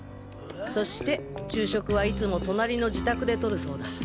そして昼食はいつも隣の自宅でとるそうだ。